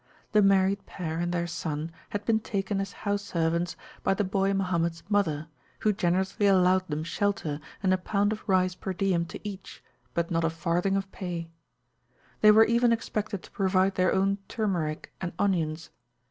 The married pair and their son had been taken as house servants by the boy Mohammeds mother, who generously allowed them shelter and a pound of rice per diem to each, but not a farthing of pay. They were even expected to provide their own turmeric and onions.